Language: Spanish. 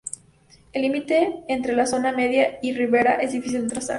El límite entre la zona Media y la Ribera es difícil de trazar.